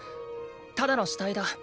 ただの死体だ